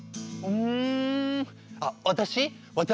うん。